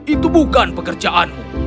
itu bukan pekerjaanmu